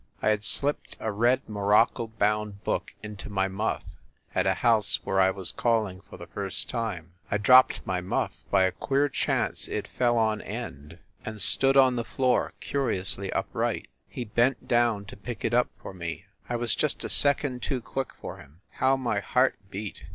I had slipped a red morocco bound book into my muff, at a house where I was calling for the first time. I dropped my muff by a queer chance it fell on end, 136 FIND THE WOMAN and stood on the floor, curiously upright. He bent down to pick it up for me I was just a second too quick for him. How my heart beat!